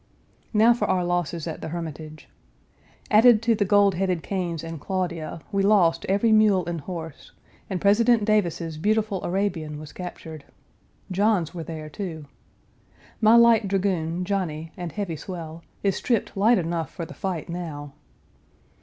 Now for our losses at the Hermitage. Added to the gold headed canes and Claudia, we lost every mule and horse, and President Davis's beautiful Arabian was captured. John's were there, too. My light dragoon, Johnny, and heavy swell, is stripped light enough for the fight now.